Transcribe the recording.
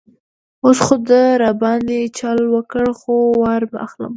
اوس خو ده را باندې چل وکړ، خو وار به اخلم.